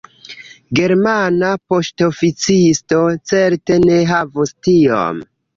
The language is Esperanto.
Germana poŝtoficisto certe ne havus tiom.